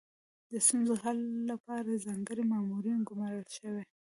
د ستونزو د حل لپاره ځانګړي مامورین ګمارل شوي.